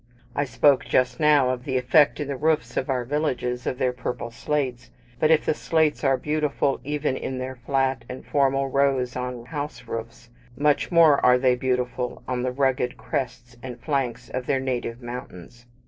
I spoke just now of the effect in the roofs of our villages of their purple slates: but if the slates are beautiful even in their flat and formal rows on house roofs, much more are they beautiful on the rugged crests and flanks of their native mountains.